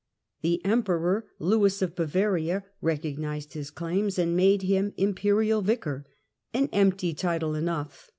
The Emperor, Lewis of Bavaria, recognised his claims and made him Imperial Vicar ; an empty title enough.